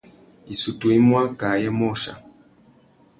Issutu i mú akā ayê môchia.